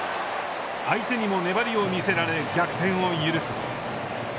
相手にも粘りを見せられ逆転を許す。